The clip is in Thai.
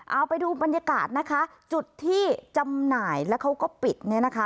เอาไปดูบรรยากาศนะคะจุดที่จำหน่ายแล้วเขาก็ปิดเนี่ยนะคะ